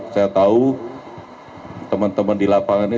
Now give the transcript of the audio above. saya tahu teman teman di lapangan ini